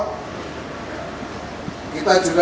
kita juga ingin sampaikan bahwa